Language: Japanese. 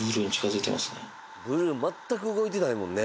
ブルー全く動いてないもんね。